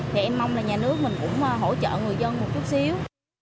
thì em mong là nhà nước mình cũng hỗ trợ người dân một chút xíu